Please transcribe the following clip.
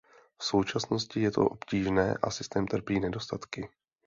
V současnosti je to obtížné a systém trpí nedostatky.